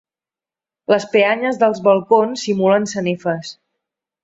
Les peanyes dels balcons simulen sanefes.